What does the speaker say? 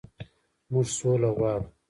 موږ سوله غواړو.